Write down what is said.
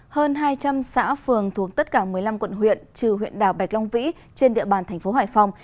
hơn hai trăm linh xã phường thuống tất cả một mươi năm quận huyện trừ huyện đảo bạch long vĩ trên địa bàn tp hải phòng